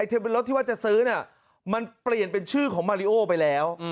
เธอเป็นรถที่ว่าจะซื้อเนี่ยมันเปลี่ยนเป็นชื่อของมาริโอไปแล้ว